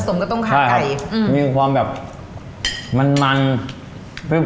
ผสมกับต้งคาไก่ใช่ครับมีความแบบมันมันเบี้ยว